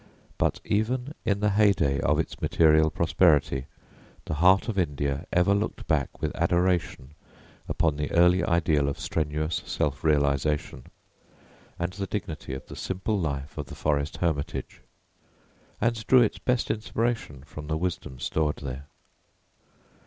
But even in the heyday of its material prosperity the heart of India ever looked back with adoration upon the early ideal of strenuous self realisation, and the dignity of the simple life of the forest hermitage, and drew its best inspiration from the wisdom stored there.